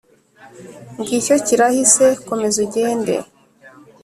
ngicyo kirahise, komeza ugende.